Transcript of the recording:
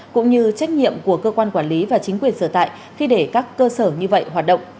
cũng như trách nhiệm của cơ quan quản lý và chính quyền sở tại khi để các cơ sở như vậy hoạt động